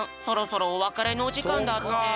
そろそろおわかれのおじかんだって。